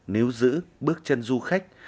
nếu giữ bước chân du khách